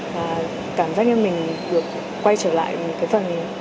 và cảm giác như mình được quay trở lại một cái phần mình